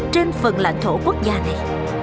trên phần lãnh thổ quốc gia này